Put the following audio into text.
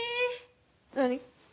何？